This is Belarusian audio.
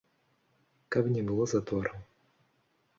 Каб не было затораў.